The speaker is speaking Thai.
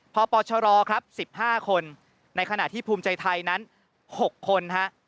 เพราะปรชรครับสิบห้าคนในขณะที่ภูมิใจไทยนั้นหกคนฮะ